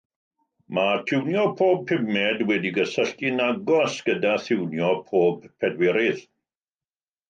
Mae tiwnio pob pumed wedi'i gysylltu'n agos gyda thiwnio pob pedwerydd.